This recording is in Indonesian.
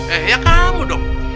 eh ya kamu dong